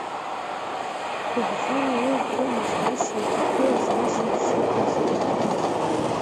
Гәыбӷан лылҭомызт ас лҭагылазаашьа шыҟазгьы.